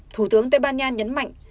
thủ tướng tây ban nha nhấn mạnh